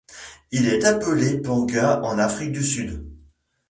Il est appelé Panga en Afrique du Sud.